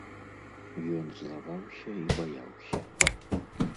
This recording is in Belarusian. Ён злаваўся і баяўся.